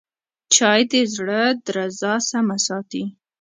چای د زړه درزا سمه ساتي